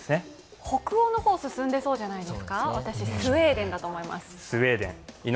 北欧のほう、進んでそうじゃないですか、スウェーデンだと思います。